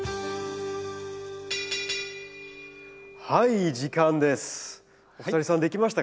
はい時間です。